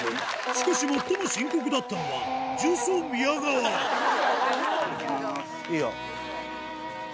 しかし最も深刻だったのはいいよ。